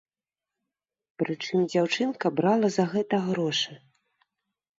Прычым дзяўчынка брала за гэта грошы.